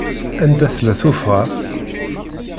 Anda tella tuffɣa?